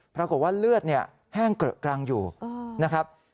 ปรากฏว่าเลือดแห้งเกลอะกรังอยู่นะครับ